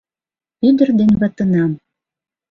Ӱдыр ден ватынам